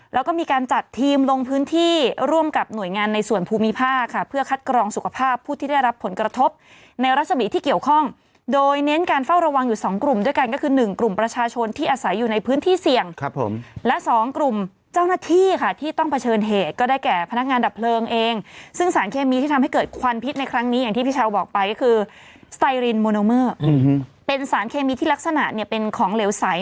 แล้วก็มีการจัดทีมลงพื้นที่ร่วมกับหน่วยงานในส่วนภูมิภาค่ะเพื่อคัดกรองสุขภาพผู้ที่ได้รับผลกระทบในราชบีที่เกี่ยวข้องโดยเน้นการเฝ้าระวังอยู่๒กลุ่มด้วยกันก็คือ๑กลุ่มประชาชนที่อาศัยอยู่ในพื้นที่เสี่ยงและ๒กลุ่มเจ้าหน้าที่ค่ะที่ต้องเผชิญเหตุก็ได้แก่พนักงานดับเพลิ